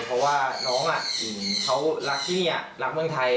เพราะว่าน้องเขารักที่นี่รักเมืองไทย